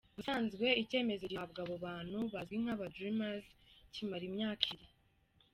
Ubusanzwe icyemezo gihabwa abo bantu bazwi nk’aba Dreamers kimara imyaka ibiri.